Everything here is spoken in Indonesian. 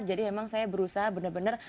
jadi emang saya berusaha benar benar